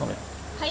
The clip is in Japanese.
はい。